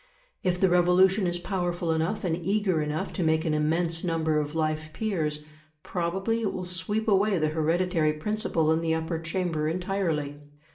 If the revolution is powerful enough and eager enough to make an immense number of life peers, probably it will sweep away the hereditary principle in the Upper Chamber entirely.